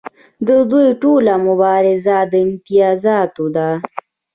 د دوی ټوله مبارزه د امتیازاتو ده.